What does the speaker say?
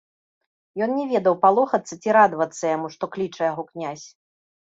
Ён не ведаў, палохацца ці радавацца яму, што кліча яго князь.